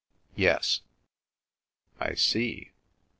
"" Yes." " I see."